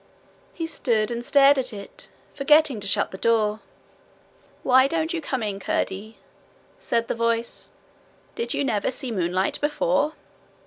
He stood and stared at it, forgetting to shut the door. 'Why don't you come in, Curdie?' said the voice. 'Did you never see moonlight before?'